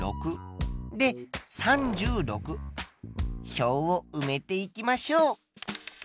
表をうめていきましょう。